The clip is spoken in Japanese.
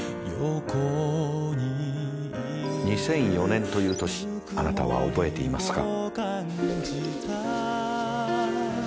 ２００４年という年あなたは覚えていますか？